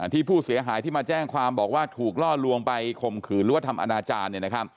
ที่ผู้เสียหายที่มาแจ้งความบอกว่าถูกล่อลวงไปข่มขืนหรือว่าทำอนาจารย์